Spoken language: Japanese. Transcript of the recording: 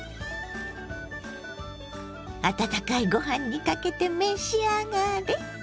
温かいご飯にかけて召し上がれ。